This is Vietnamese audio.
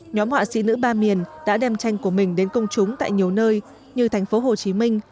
nhóm họa sĩ nữ ba miền đã đem tranh của mình đến công chúng tại nhiều nơi như thành phố hồ chí minh